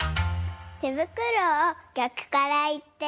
てぶくろをぎゃくからいって。